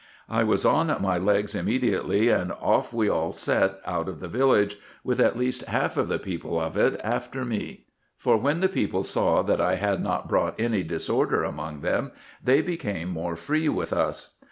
I was on my legs immediately, and off IN EGYPT, NUBIA, &c. 421 we all set out of the village, with at least half of the people of it after me ; for when the people saw that I had not brought any disorder among them, they became more free with us.